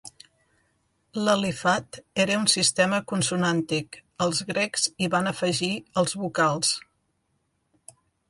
L'alifat era un sistema consonàntic, els Grecs hi van afegir els vocals.